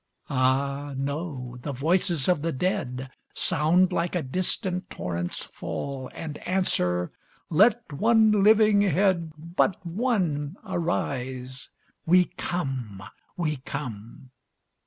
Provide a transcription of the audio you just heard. Ah, no; the voices of the dead Sound like a distant torrent's fall, And answer, "Let one living head, But one, arise we come, we come!"